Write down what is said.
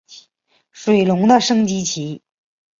水龙的升级棋。